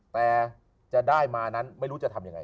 แต่จะได้มานั้นไม่รู้จะทำยังไง